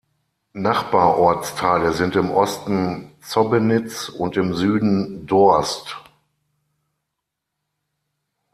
Nachbar-Ortsteile sind im Osten Zobbenitz und im Süden Dorst.